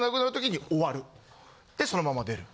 でそのまま出る。